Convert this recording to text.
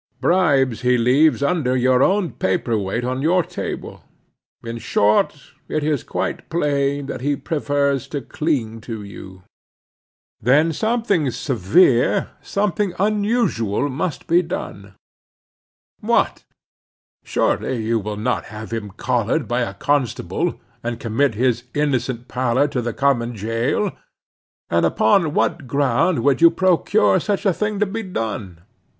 Bribes he leaves under your own paperweight on your table; in short, it is quite plain that he prefers to cling to you. Then something severe, something unusual must be done. What! surely you will not have him collared by a constable, and commit his innocent pallor to the common jail? And upon what ground could you procure such a thing to be done?